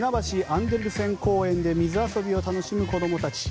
アンデルセン公園で水遊びを楽しむ子どもたち。